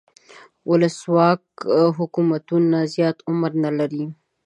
ولسواک حکومتونه زیات عمر نه لري.